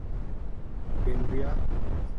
Gambia